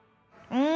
うん！